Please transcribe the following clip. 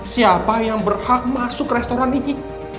siapa yang berhak masuk restoran ini